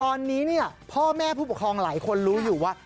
ตอนนี้เนี่ยพ่อแม่ผู้ปกครองหลายคนรู้อยู่ว่า